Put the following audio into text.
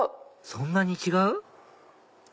そんなに違う？